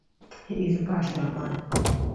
He is an passionate climber.